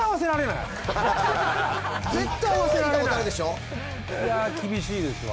いや厳しいですわ。